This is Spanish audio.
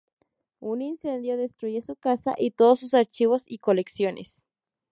Un incendio destruye su casa y todos sus archivos y colecciones.